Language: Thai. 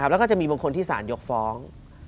แล้วก็จะมีบางคนที่สารยกฟ้อง